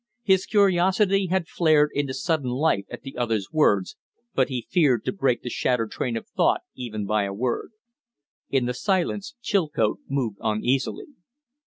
His curiosity had flared into sudden life at the other's words, but he feared to break the shattered train of thought even by a word. In the silence Chilcote moved uneasily.